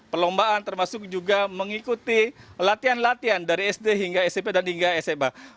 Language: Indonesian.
perlombaan termasuk juga mengikuti latihan latihan dari sd hingga smp dan hingga sma